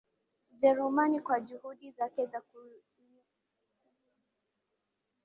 Ujerumani kwa juhudi zake za kuliunganisha bara la UlayaRais wa zamani wa Marekani